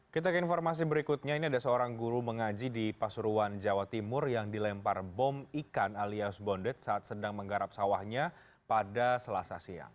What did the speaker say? kita ke informasi berikutnya ini ada seorang guru mengaji di pasuruan jawa timur yang dilempar bom ikan alias bondet saat sedang menggarap sawahnya pada selasa siang